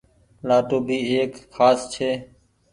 لآٽون ڀي ايڪ کآس ڇي۔